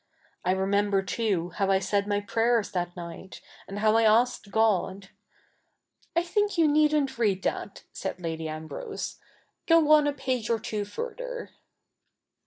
I ? e member, too, how I said my prayers that night, and how I asked God "'' I think you needn't read that,' said Lady Ambrose, 'go on a page or two further.'